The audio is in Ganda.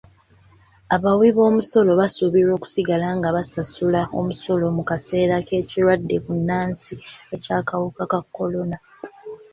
Abawibomusolo basuubirwa okusigala nga basasula omusolo mu kaseera k'ekirwadde bbunansi eky'akawuka ka kolona.